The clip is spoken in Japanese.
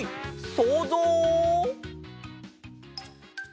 そうぞう！